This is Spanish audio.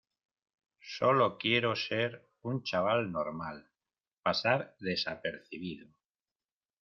solo quiero ser un chaval normal, pasar desapercibido...